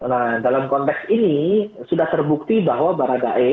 nah dalam konteks ini sudah terbukti bahwa baradae